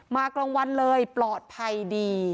กลางวันเลยปลอดภัยดี